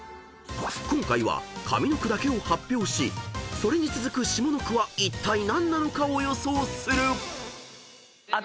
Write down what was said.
［今回は上の句だけを発表しそれに続く下の句はいったい何なのかを予想する］